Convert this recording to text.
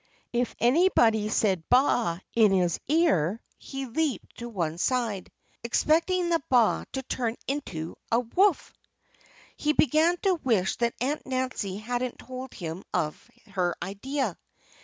If anybody said baa in his ear he leaped to one side, expecting the baa to turn into a woof! He began to wish that Aunt Nancy hadn't told him of her idea.